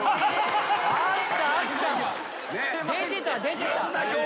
出てた出てた。